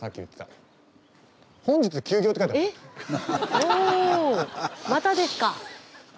おっまたですか！